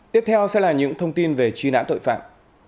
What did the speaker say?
tiếp theo sẽ là những thông tin về truy nã tội phạm